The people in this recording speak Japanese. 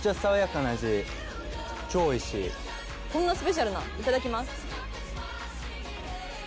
こんなスペシャルないただきます。